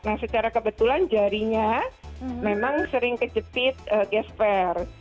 nah secara kebetulan jarinya memang sering kejepit gasper